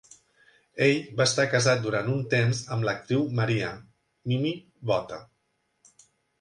Ell va estar casat durant un temps amb l'actriu Maria "Mimi" Botta.